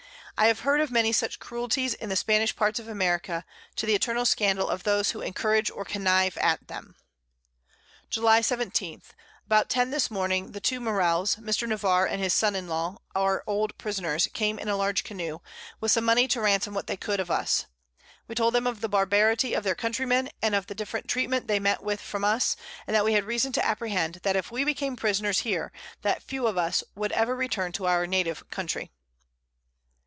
I have heard of many such Cruelties in the Spanish Parts of America, to the eternal Scandal of those who encourage or connive at them. July 17. About 10 this Morning, the two Morells, Mr. Navarre, and his Son in law, our old Prisoners came in a large Canoe, with some Money to ransom what they could of us: We told them of the Barbarity of their Countrymen, and of the different Treatment they met with from us; and that we had reason to apprehend, that if we became Prisoners here, that few of us would ever return to our native Country.